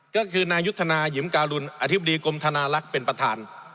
ก็คือนายุทธนายิมการุลอธิบดีกรมธนาลักษณ์เป็นประธาน